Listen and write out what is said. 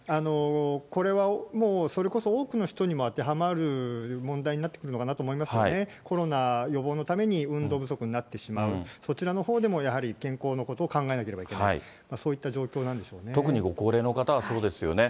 これはそれこそ、多くの人に当てはまる問題になってくるのかなと思いますよね、コロナ予防のために運動不足になってしまう、そちらのほうでもやはり健康のことを考えなければいけない、そう特にご高齢の方はそうですよね。